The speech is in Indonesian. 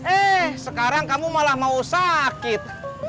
eh sekarang kamu malah mau sakit